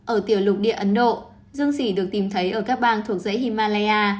ở tiểu lục địa ấn độ dương xỉ được tìm thấy ở các bang thuộc dãy himalaya